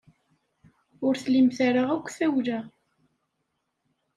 Ur tlimt ara akk tawla.